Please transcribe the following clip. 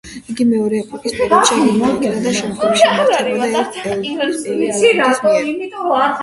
იგი მეორე ეპოქის პერიოდში აგებული იქნა და შემდგომში იმართებოდა ელფ ელრონდის მიერ.